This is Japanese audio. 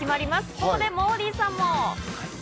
そこでモーリーさんも。